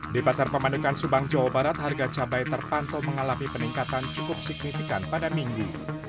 di pasar pemandukan subang jawa barat harga cabai terpantau mengalami peningkatan cukup signifikan pada minggu